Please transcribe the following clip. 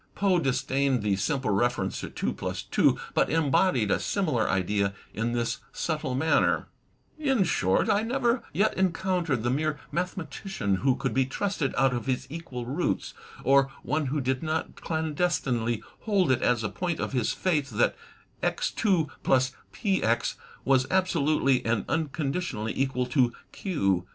Poe disdained the simple reference to two plus two, but embodied a similar idea in this subtle manner: In short, I never yet encountered the mere mathematician who lyo THE TECHNIQUE OF THE MYSTERY STORY could be trusted out of equal roots, or one who did not clandestinely hold it as a point of his faith that X2 plus px was absolutely and unconditionally equal to q.